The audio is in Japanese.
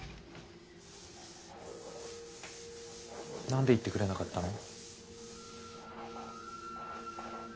何で言ってくれなかったの？